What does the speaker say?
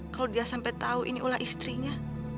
kalau dia sampai tahu ini ulah istrinya